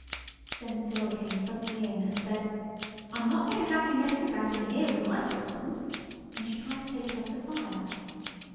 Then Matilda came suddenly in and said, "I'm not going to have you messing about in here with my saucepans"; and she tried to take it off the fire.